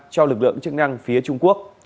cho lực lượng chức năng phía trung quốc